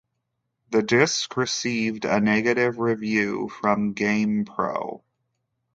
The disc received a negative review from "GamePro".